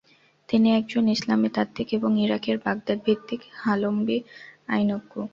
তিনি একজন ইসলামী তাত্ত্বিক এবং ইরাকের বাগদাদ ভিত্তিক হাম্বলী আইনজ্ঞ।